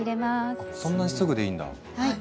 あそんなにすぐでいいんだ。